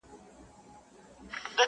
• همېشه په ښو نمرو کامیابېدله,